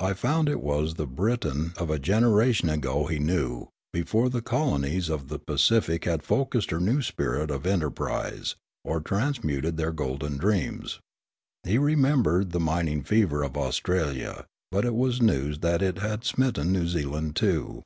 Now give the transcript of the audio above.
I found it was the Britain of a generation ago he knew, before the colonies of the Pacific had focussed her new spirit of enterprise, or transmuted their golden dreams. He remembered the mining fever of Australia, but it was news that it had smitten New Zealand too.